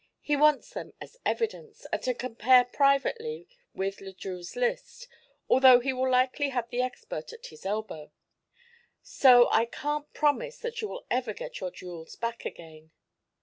He wants them as evidence, and to compare privately with Le Drieux's list, although he will likely have the expert at his elbow. So I can't promise that you will ever get your jewels back again."